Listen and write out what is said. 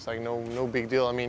sepertinya ada sebuah kesan yang besar